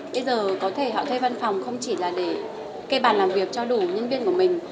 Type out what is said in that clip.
bây giờ có thể họ thuê văn phòng không chỉ là để kê bàn làm việc cho đủ nhân viên của mình